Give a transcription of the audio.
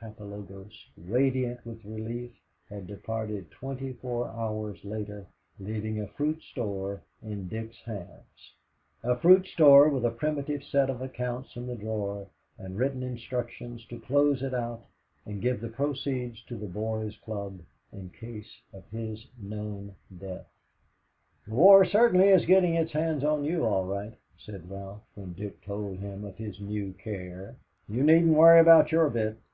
Papalogos, radiant with relief, had departed twenty four hours later, leaving a fruit store on Dick's hands a fruit store with a primitive set of accounts in the drawer and written instructions to close it out and give the proceeds to the Boys' Club in case of his known death. "The war certainly is getting its hands on you, all right," said Ralph when Dick told him of his new care. "You needn't worry about your bit."